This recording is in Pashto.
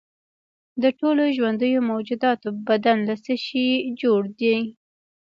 د ټولو ژوندیو موجوداتو بدن له څه شي جوړ دی